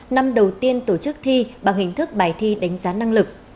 năm đầu tiên tổ chức thi bằng hình thức bài thi đánh giá năng lực